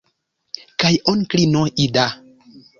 Kaj onklino Ida?